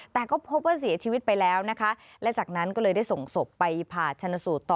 แต่ก็พบว่าเสียชีวิตไปแล้วนะคะและจากนั้นก็เลยได้ส่งศพไปผ่าชนสูตรต่อ